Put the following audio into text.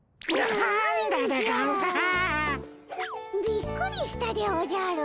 びっくりしたでおじゃる。